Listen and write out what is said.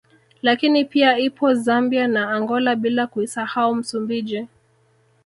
Lakini pia ipo Zambia na Angola bila kuisahau Msumbiji